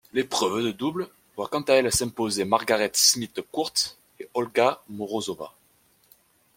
L'épreuve de double voit quant à elle s'imposer Margaret Smith Court et Olga Morozova.